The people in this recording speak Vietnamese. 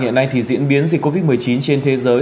hiện nay thì diễn biến dịch covid một mươi chín trên thế giới